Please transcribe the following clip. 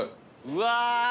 うわ！